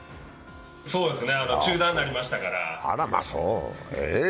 そうですね、中断になりましたから。